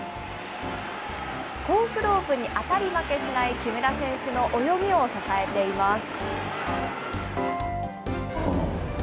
コースロープに当たり負けしない木村選手の泳ぎを支えています。